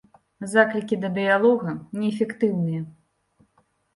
Заклікі да дыялога неэфектыўныя.